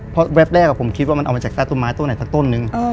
เพราะแป๊บแรกผมคิดว่ามันเอามาจากใต้ต้นไม้ต้นไหนสักต้นนึง